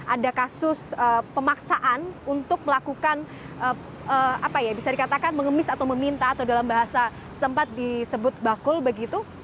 ada kasus pemaksaan untuk melakukan apa ya bisa dikatakan mengemis atau meminta atau dalam bahasa setempat disebut bakul begitu